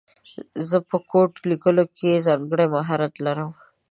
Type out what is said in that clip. زه په کوډ لیکلو کې ځانګړی مهارت لرم